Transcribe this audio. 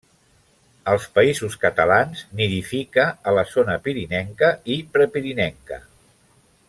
Als Països Catalans nidifica a la zona pirinenca i prepirinenca.